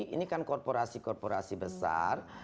ini kan korporasi korporasi besar